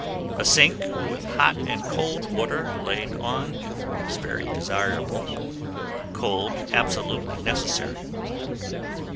A sink, with hot and cold water laid on, is very desirable, cold absolutely necessary.